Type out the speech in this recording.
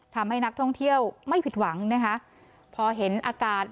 ทำให้นักท่องเที่ยวไม่ผิดหวังนะคะพอเห็นอากาศ